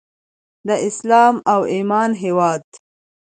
د اسلام او ایمان هیواد.